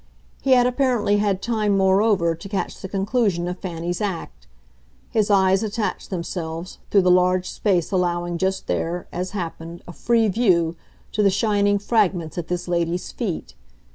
He had apparently had time, moreover, to catch the conclusion of Fanny's act; his eyes attached themselves, through the large space allowing just there, as happened, a free view, to the shining fragments at this lady's feet.